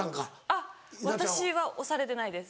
あっ私は推されてないです。